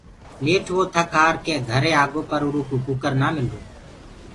نيٺ وو ٿَڪ هآر ڪي گھري آگو پر اُرو ڪوُ ڪٚڪر نآ ملرو۔